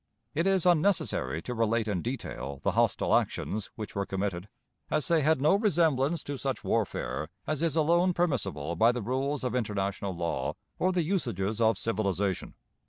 It is unnecessary to relate in detail the hostile actions which were committed, as they had no resemblance to such warfare as is alone permissible by the rules of international law or the usages of civilization.